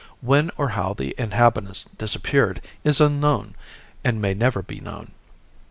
When or how the inhabitants disappeared is unknown and may never be known.